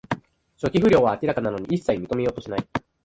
初期不良は明らかなのに、いっさい認めようとしない